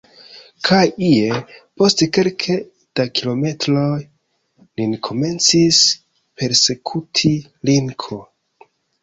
Kaj ie, post kelke da kilometroj, nin komencis persekuti linko.